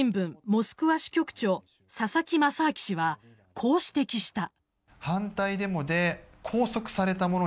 モスクワ支局長佐々木正明氏はこう指摘した。